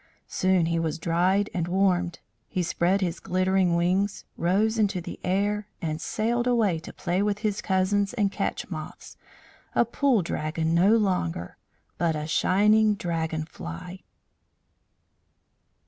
Soon he was dried and warmed. He spread his glittering wings, rose into the air, and sailed away to play with his cousins and catch moths a Pool Dragon no longer, but a shining Dragon fly.